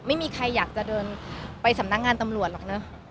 ไม่มีใครอยากจะเดินไปสำนักงานตำรวจหรอกเนอะ